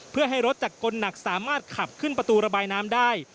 เพื่อให้รถจากกลหนักสามารถขับขึ้นประตูระบายน้ำได้